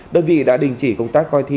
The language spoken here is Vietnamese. đơn vị đã đình chỉ công tác coi thi